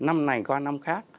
năm này qua năm khác